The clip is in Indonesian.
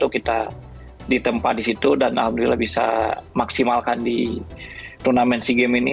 kita ditempa di situ dan alhamdulillah bisa maksimalkan di turnamen sea games ini